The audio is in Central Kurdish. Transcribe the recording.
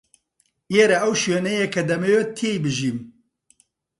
ئێرە ئەو شوێنەیە کە دەمەوێت تێی بژیم.